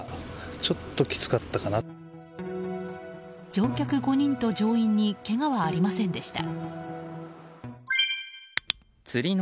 乗客５人と乗員にけがはありませんでした。